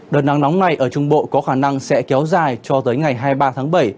đợt nắng nóng này ở trung bộ có khả năng sẽ kéo dài cho tới ngày hai mươi ba tháng bảy